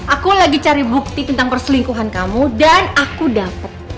aku lagi cari bukti tentang perselingkuhan kamu dan aku dapat